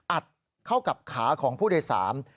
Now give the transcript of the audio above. อัดเข้ากับขาของผู้โดยสาร